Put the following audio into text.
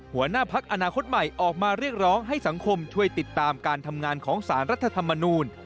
หัวหน้าพักอนาคตใหม่ออกมาเรียกร้องให้สังคมช่วยติดตามการทำงานของสารรัฐธรรมนูล